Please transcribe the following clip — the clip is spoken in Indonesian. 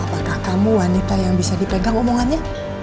apakah kamu wanita yang bisa dipegang omongannya